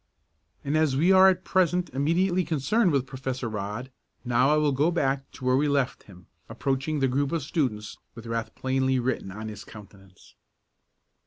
And as we are at present immediately concerned with Professor Rodd, now I will go back to where we left him approaching the group of students, with wrath plainly written on his countenance.